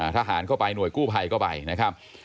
ทหารก็ไปหน่วยกู้ภัยก็ไปนะครับ